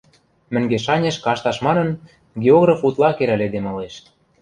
Мӹнгеш-анеш кашташ манын, географ утла керӓл эдем ылеш.